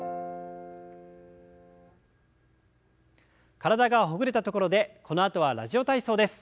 体がほぐれたところでこのあとは「ラジオ体操」です。